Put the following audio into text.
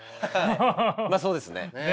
まあそうですね。